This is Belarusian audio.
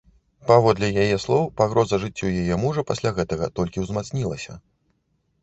Паводле яе слоў, пагроза жыццю яе мужа пасля гэтага толькі ўзмацнілася.